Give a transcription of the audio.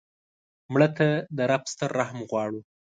مړه ته د رب ستر رحم غواړو